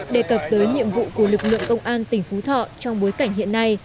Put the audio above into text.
đề cập tới nhiệm vụ của lực lượng công an tỉnh phú thọ trong bối cảnh hiện nay